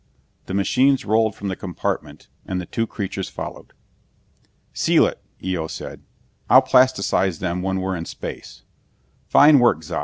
The machines rolled from the compartment, and the two creatures followed. "Seal it," Eo said. "I'll plasticize them when we're in space. Fine work, Za.